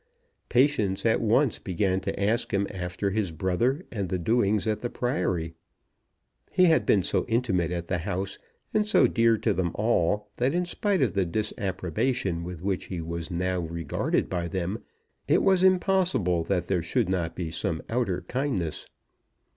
Patience at once began to ask him after his brother and the doings at the Priory. He had been so intimate at the house, and so dear to them all, that in spite of the disapprobation with which he was now regarded by them, it was impossible that there should not be some outer kindness.